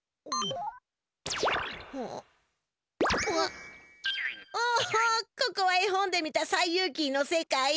おおここは絵本で見た「西遊記」の世界。